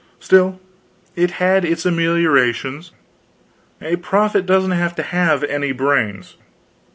Still, it had its ameliorations. A prophet doesn't have to have any brains.